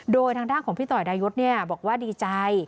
โดยทางด้านของพี่ต่อดายุทธ์เนี่ยบอกว่าดีใจ